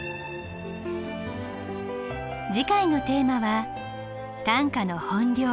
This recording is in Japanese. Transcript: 次回のテーマは短歌の本領